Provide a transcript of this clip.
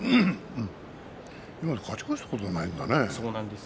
今まで勝ち越したことがないんだね。